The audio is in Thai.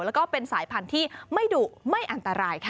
แล้วก็เป็นสายพันธุ์ที่ไม่ดุไม่อันตรายค่ะ